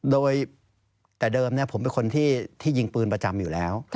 โดยแต่เดิมผมเป็นคนที่ยิงปืนประจำอยู่แล้ว